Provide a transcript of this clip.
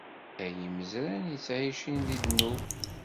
At yimezran i yettɛicin di ddnub.